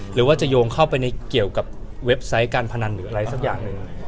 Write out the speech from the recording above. หรือว่าจะโยงเข้าไปในเกี่ยวกับเว็บไซต์การพนันหรืออะไรสักอย่างหนึ่ง